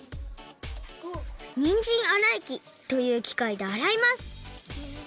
「にんじんあらいき」というきかいであらいます